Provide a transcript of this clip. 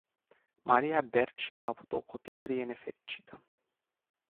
Maria Berci a avut o copilărie nefericită.